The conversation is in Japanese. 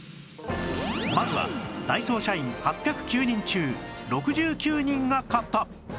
まずはダイソー社員８０９人中６９人が買った